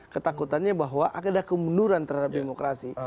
ketakutannya bahwa ada kemunduran terhadap demokrasi